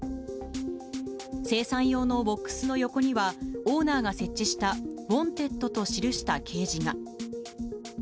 精算用のボックスの横には、オーナーが設置したＷＡＮＴＥＤと記した掲示が。